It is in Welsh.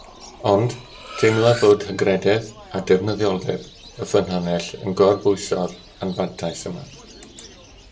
Ond, teimlaf fod hygrededd a defnyddioldeb y ffynhonnell yn gorbwyso'r anfantais yma